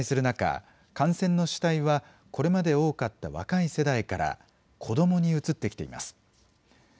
オミクロン株の感染が拡大する中、感染の主体は、これまで多かった若い世代から子どもに移ってきています。